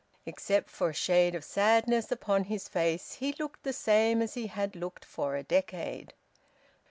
Except for a shade of sadness upon his face, he looked the same as he had looked for a decade.